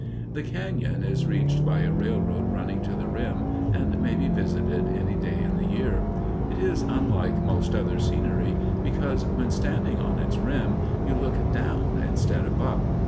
The cañon is reached by a railroad running to the rim, and may be visited any day in the year. It is unlike most other scenery, because when standing on its rim you look down instead of up.